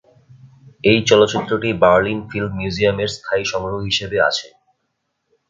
এই চলচ্চিত্রটি Berlin film museum এর স্থায়ী সংগ্রহ হিসেবে আছে।